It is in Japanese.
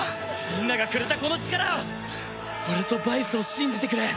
みんながくれたこの力を俺とバイスを信じてくれ！